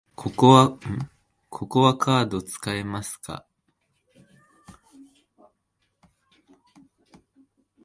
ここはカード使えますか？